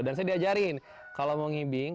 dan saya diajarin kalau mau ngibing